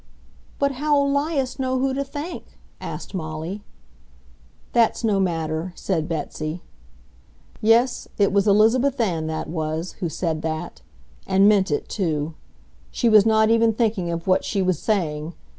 "But how'll 'Lias know who to thank?" asked Molly. "That's no matter," said Betsy. Yes, it was Elizabeth Ann that was who said that. And meant it, too. She was not even thinking of what she was saying.